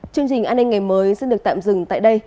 chương trình an ninh ngày mới xin được tạm dừng tại đây